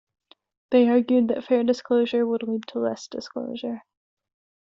They argued that fair disclosure would lead to less disclosure.